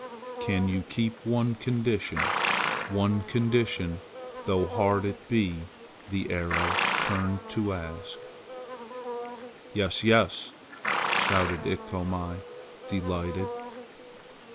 "Can you keep a condition? One condition, though hard it be?" the arrow turned to ask. "Yes! Yes!" shouted Iktomi, delighted.